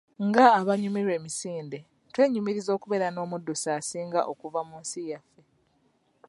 Nga abanyumirwa emisinde, twenyumiriza mu kubeera n'omuddusi asinga okuva mu nsi yaffe.